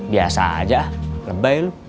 biasa aja lebay lu